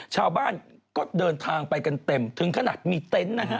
ชาวบ้านก็เดินทางไปกันเต็มถึงขนาดมีเต็นต์นะฮะ